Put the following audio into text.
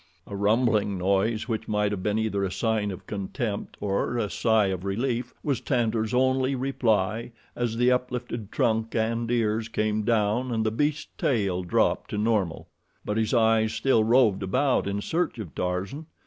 A rumbling noise, which might have been either a sign of contempt or a sigh of relief, was Tantor's only reply as the uplifted trunk and ears came down and the beast's tail dropped to normal; but his eyes still roved about in search of Tarzan.